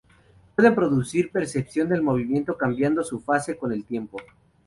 Pueden producir percepción del movimiento cambiando su fase con el tiempo.